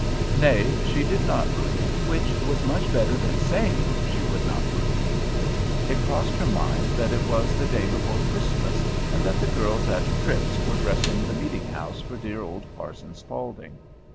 Nay, she did not brood, which was much better than saying she would not brood. It crossed her mind that it was the day before Christmas, and that the girls at Tripp's were dressing the meeting house for dear old Parson Spaulding.